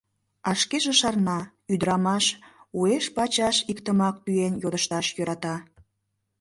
А шкеже шарна: ӱдырамаш уэш-пачаш иктымак тӱен йодышташ йӧрата.